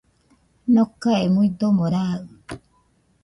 Nokae muidomo raɨ